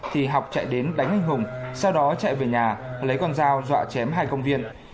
thì học chạy đến đánh anh hùng sau đó chạy về nhà lấy con dao dọa chém hai công viên